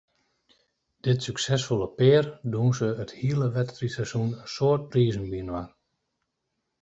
Dit suksesfolle pear dûnse it hiele wedstriidseizoen in soad prizen byinoar.